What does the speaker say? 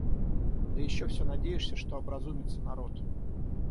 Да еще всё надеешься, что образумится народ.